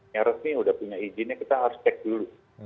yang resmi sudah punya izinnya kita harus cek dulu